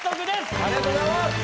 ありがとうございます。